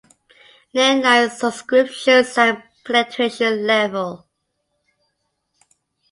Landline Subscriptions and Penetration level.